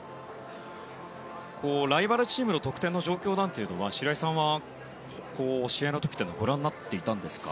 ライバルチームの得点の状況なんかは白井さんは、試合の時はご覧になっていたんですか？